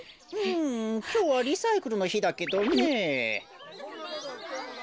きょうはリサイクルのひだけどねぇ。